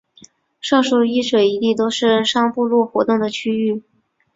上述一水一地都是商部落活动的区域。